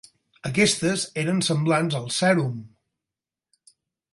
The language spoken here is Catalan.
Aquestes eren semblants al sèrum.